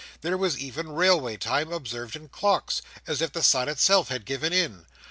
There was even railway time observed in clocks, as if the sun itself had given in.